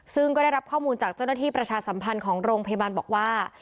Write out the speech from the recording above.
ซึ่งก็ได้รับข้อมูลจากเจ้าหน้าที่ประชาสัมพันธ์ของโรงพยาบาลบอกว่า